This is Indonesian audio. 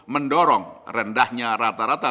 mendorong rendahnya rata rata